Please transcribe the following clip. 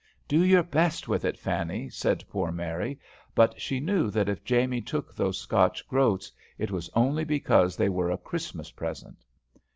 "Do your best with it, Fanny," said poor Mary, but she knew that if Jamie took those Scotch groats it was only because they were a Christmas present.